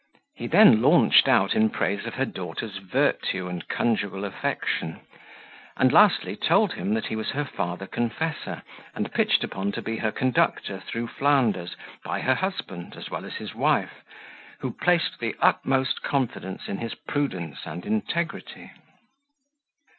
He then launched out in praise of her daughter's virtue and conjugal affection; and, lastly, told him, that he was her father confessor, and pitched upon to be her conductor through Flanders, by her husband, as well as his wife, placed the utmost confidence in his prudence and integrity.